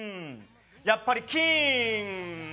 やっぱりキング！